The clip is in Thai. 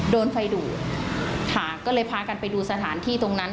โดนไฟดูดค่ะก็เลยพากันไปดูสถานที่ตรงนั้น